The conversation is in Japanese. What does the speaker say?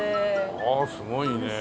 ああすごいね。